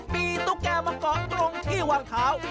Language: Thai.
มีตุ๊กแกมาเกาะตรงที่วางเท้า